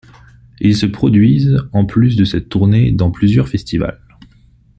Ils se produisent, en plus de cette tournée, dans plusieurs festivals.